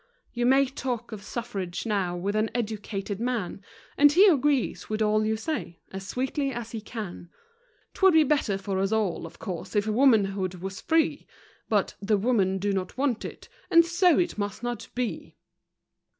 You may talk of suffrage now with an educated man, And he agrees with all you say, as sweetly as he can: 'T would be better for us all, of course, if womanhood was free; But "the women do not want it" and so it must not be!